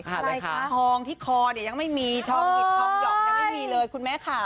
ทองที่คอเนี่ยยังไม่มีทองหงิบทองหยอดยังไม่มีเลยคุณแม่ขา